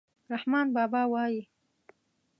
رحمان بابا وایي: